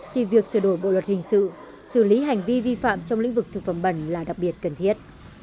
thì việc sửa đổi bộ luật hình sự xử lý hành vi vi phạm trong lĩnh vực thực phẩm bẩn là đặc biệt cần thiết